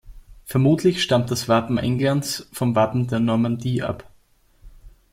Vermutlich stammt das Wappen Englands vom Wappen der Normandie ab.